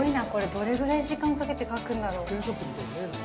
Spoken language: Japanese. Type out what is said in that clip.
どれぐらい時間かけて描くんだろう。